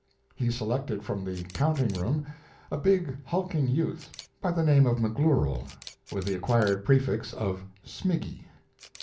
He selected from the counting room a big, hulking youth by the name of McGlooral, with the acquired prefix of "Smiggy."